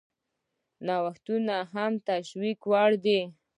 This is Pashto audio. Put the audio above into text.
نوښتونه هم د تشویق وړ دي.